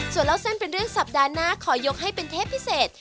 ส่วนเล่าเส้นเป็นเรื่องสัปดาห์หน้าขอยกให้เป็นเทปพิเศษ